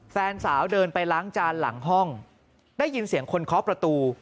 แฟนสาวเดินไปล้างจานหลังห้องได้ยินเสียงคนเคาะประตู